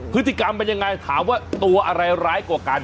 พฤติกรรมเป็นยังไงถามว่าตัวอะไรร้ายกว่ากัน